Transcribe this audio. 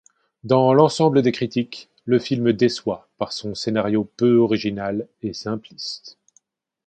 Dans l'ensemble des critiques, le film déçoit par son scénario peu original et simpliste.